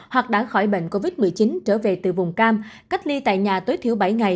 hoặc đã khỏi bệnh covid một mươi chín trở về từ vùng cam cách ly tại nhà tối thiểu bảy ngày